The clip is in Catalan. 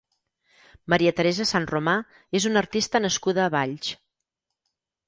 Maria Teresa Sanromà és una artista nascuda a Valls.